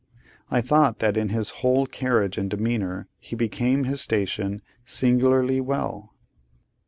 I thought that in his whole carriage and demeanour, he became his station singularly well.